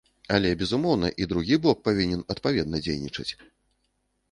Але, безумоўна, і другі бок павінен адпаведна дзейнічаць.